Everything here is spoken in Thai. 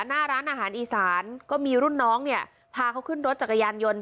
หน้าร้านอาหารอีสานก็มีรุ่นน้องเนี่ยพาเขาขึ้นรถจักรยานยนต์